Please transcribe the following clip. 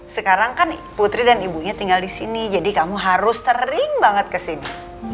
sekarang kan putri dan ibunya tinggal di sini jadi kamu harus sering banget kesini